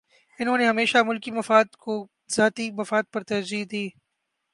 انہوں نے ہمیشہ ملکی مفاد کو ذاتی مفاد پر ترجیح دی